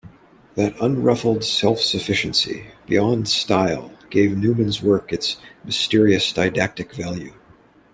That unruffled self-sufficiency, beyond style, gave Newman's work its mysterious didactic value.